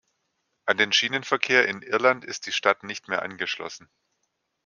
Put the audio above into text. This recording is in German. An den Schienenverkehr in Irland ist die Stadt nicht mehr angeschlossen.